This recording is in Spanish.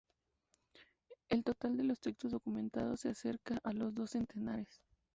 El total de textos documentados se acerca a los dos centenares.